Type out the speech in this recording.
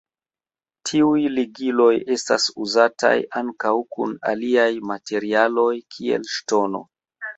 Tiuj ligiloj estas uzataj ankaŭ kun aliaj materialoj kiel ŝtono.